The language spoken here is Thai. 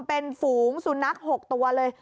เป็นฝูงสุนัข๖ตัวเลย